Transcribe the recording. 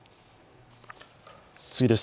次です。